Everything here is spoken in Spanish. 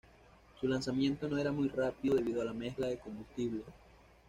Su lanzamiento no era muy rápido debido a la mezcla de combustible.